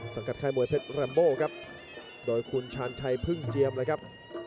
ค่ายมวยเพชรแรมโบครับโดยคุณชาญชัยพึ่งเจียมเลยครับ